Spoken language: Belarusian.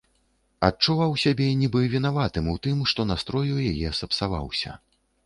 Адчуваў сябе нібы вінаватым у тым, што настрой у яе сапсаваўся.